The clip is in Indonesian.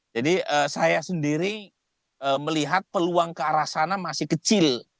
jadi saya sendiri melihat peluang ke arah sana masih kecil